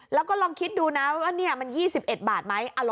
แล้วก็ลองคิดดูนะว่านี่มัน๒๑บาทไหม